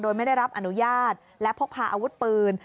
โดยไม่ได้รับอนุญาตและพกพาอาวุธปืน